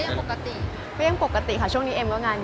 มีเหงามีอะไรอันนี้บ้างมั้ยคะ